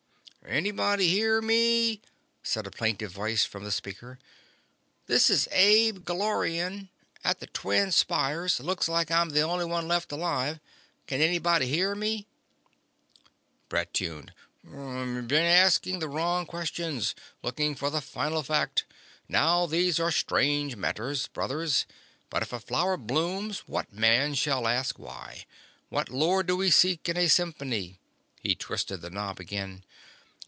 "... anybody hear me?" said a plaintive voice from the speaker. "This is Ab Gullorian, at the Twin Spires. Looks like I'm the only one left alive. Can anybody hear me?" Brett tuned. "... been asking the wrong questions ... looking for the Final Fact. Now these are strange matters, brothers. But if a flower blooms, what man shall ask why? What lore do we seek in a symphony...?" He twisted the knob again.